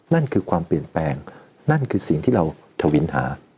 นั่นคือความเปลี่ยนแปลงนั่นคือสิ่งที่เราทวินหา